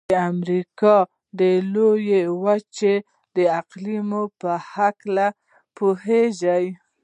د امریکا د لویې وچې د اقلیم په هلکه څه پوهیږئ؟